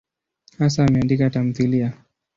Hasa ameandika tamthiliya.